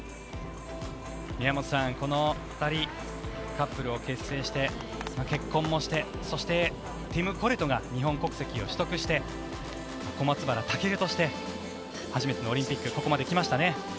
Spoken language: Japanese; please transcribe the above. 宮本さん、この２人カップルを結成して結婚もしてそしてティム・コレトが日本国籍を取得して小松原尊として初めてのオリンピックここまで来ましたね。